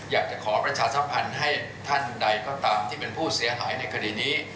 อยากจะขอประชาสัมพันธ์ให้ท่านใดก็ตามที่เป็นผู้เสียหายในคดีนี้